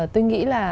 tôi nghĩ là